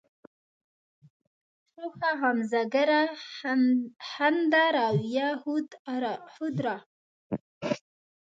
شوخه غمزه گره، خنده رویه، خود آرا